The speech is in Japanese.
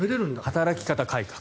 働き方改革。